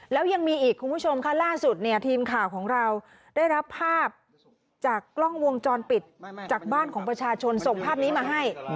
แล้วยังมีอีกคุณผู้ชมค่ะล่าสุดเนี่ยทีมข่าวของเราได้รับภาพจากกล้องวงจรปิดจากบ้านของประชาชนส่งภาพนี้มาให้